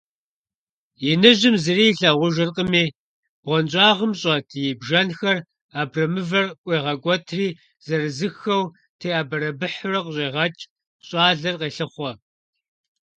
Иныжьым зыри илъагъужыркъыми, бгъуэнщӀагъым щӀэт и бжэнхэр абрэмывэр ӀуегъэкӀуэтри зырызыххэу теӏэбэрэбыхьурэ къыщӀегъэкӀ, щӀалэр къелъыхъуэ.